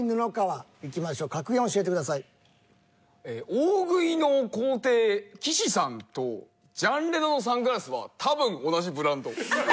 大食いの皇帝岸さんとジャン・レノのサングラスは多分同じブランド。